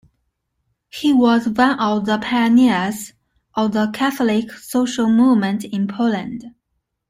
He was one of the pioneers of the Catholic social movement in Poland.